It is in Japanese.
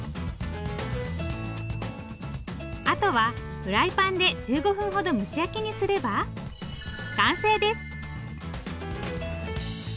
あとはフライパンで１５分ほど蒸し焼きにすれば完成です。